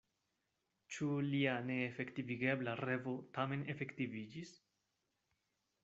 Ĉu lia neefektivigebla revo tamen efektiviĝis?